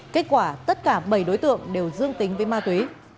kết quả tất cả bảy đối tượng đều dương tính với ma túy